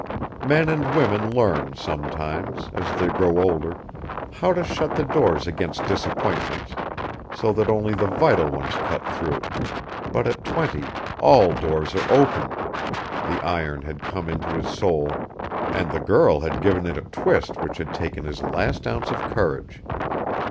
Men and women learn sometimes as they grow older, how to shut the doors against disappointments so that only the vital ones cut through, but at twenty all doors are open; the iron had come into his soul, and the girl had given it a twist which had taken his last ounce of courage.